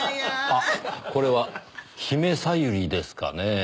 あっこれは姫小百合ですかねぇ？